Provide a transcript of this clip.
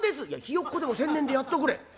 「いやひよっこでも千年でやっとくれ」。